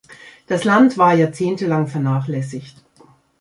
Das Land war jahrzehntelang vernachlässigt.